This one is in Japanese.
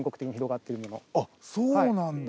あっそうなんだ。